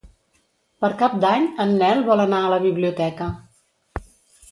Per Cap d'Any en Nel vol anar a la biblioteca.